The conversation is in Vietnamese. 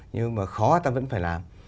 nhưng mà khó ta vẫn phải làm